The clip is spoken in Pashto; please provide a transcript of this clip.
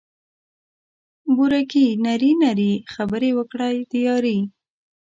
بوره ګي نري نري خبري وکړه د یاري